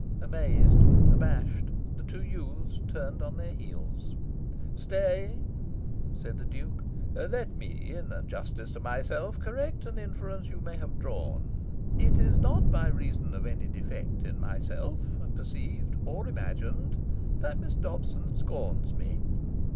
Amazed, abashed, the two youths turned on their heels. "Stay!" said the Duke. "Let me, in justice to myself, correct an inference you may have drawn. It is not by reason of any defect in myself, perceived or imagined, that Miss Dobson scorns me.